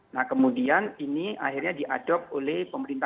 nah kemudian ini akhirnya diadopt oleh pemerintah